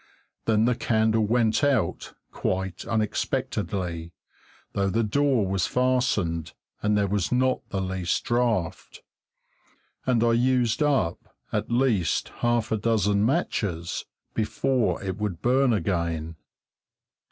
Then the candle went out quite unexpectedly, though the door was fastened and there was not the least draught; and I used up at least half a dozen matches before it would burn again.